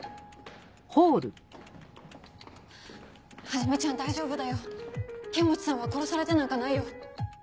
はじめちゃん大丈夫だよ剣持さんは殺されてなんかないよ。